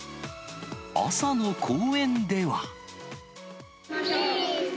朝の公園では。